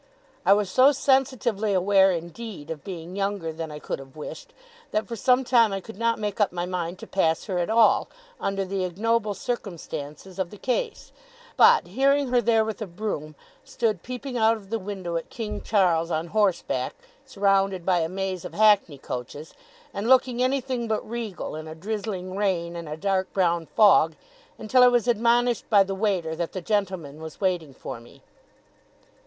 I was so sensitively aware, indeed, of being younger than I could have wished, that for some time I could not make up my mind to pass her at all, under the ignoble circumstances of the case; but, hearing her there with a broom, stood peeping out of window at King Charles on horseback, surrounded by a maze of hackney coaches, and looking anything but regal in a drizzling rain and a dark brown fog, until I was admonished by the waiter that the gentleman was waiting for me.